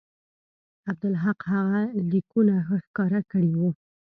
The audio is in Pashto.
عبدالحق هغه لیکونه ورښکاره کړي وو.